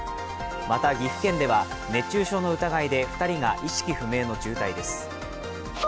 また、岐阜県では熱中症の疑いで２人が意識不明の重体です。